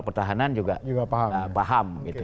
pertahanan juga paham